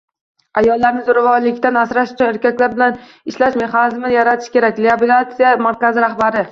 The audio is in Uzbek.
«Ayollarni zo‘ravonlikdan asrash uchun erkaklar bilan ishlash mexanizmini yaratish kerak» – Reabilitatsiya markazi rahbari